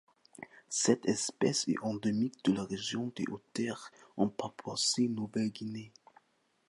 Cette espèce est endémique de la région des Hautes-Terres en Papouasie-Nouvelle-Guinée.